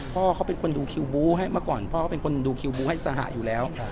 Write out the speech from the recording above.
พ่อเขาเป็นคนดูคิวบูให้เมื่อก่อนพ่อเขาเป็นคนดูคิวบูให้สหะอยู่แล้ว